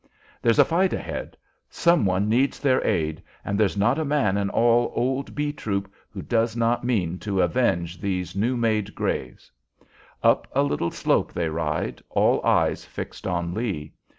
There's a fight ahead! Some one needs their aid, and there's not a man in all old "B" troop who does not mean to avenge those new made graves. Up a little slope they ride, all eyes fixed on Lee.